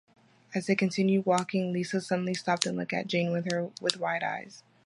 As they continued walking, Lisa suddenly stopped and looked at Jane with wide eyes.